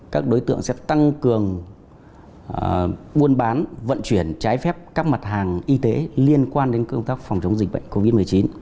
các đối tượng sẽ tăng cường buôn bán vận chuyển trái phép các mặt hàng y tế liên quan đến công tác phòng chống dịch bệnh covid một mươi chín